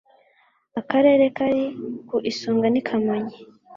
Akarere kari ku isonga ni Kamonyi